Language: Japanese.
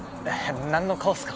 何の顔っすか？